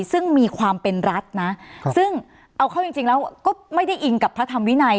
ซึ่งมีความเป็นรัฐนะซึ่งเอาเข้าจริงแล้วก็ไม่ได้อิงกับพระธรรมวินัย